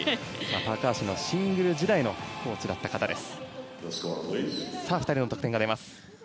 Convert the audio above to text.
高橋のシングル時代のコーチだった方です。